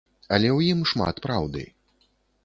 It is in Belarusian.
Але ў ім шмат праўды.